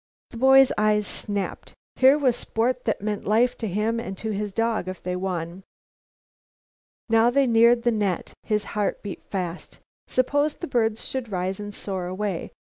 The boy's eyes snapped. Here was sport that meant life to him and to his dog if they won. Now they neared the net. His heart beat fast. Suppose the birds should rise and soar away?